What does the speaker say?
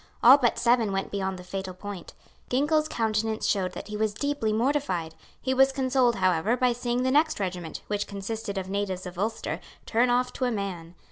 All but seven went beyond the fatal point. Ginkell's countenance showed that he was deeply mortified. He was consoled, however, by seeing the next regiment, which consisted of natives of Ulster, turn off to a man.